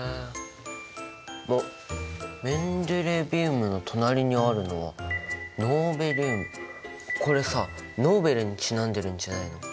あっメンデレビウムの隣にあるのはこれさノーベルにちなんでるんじゃないの？